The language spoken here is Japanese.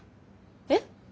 えっ？